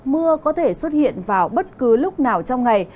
mưa có thể xuất hiện vào bất cứ lúc nào trong ngày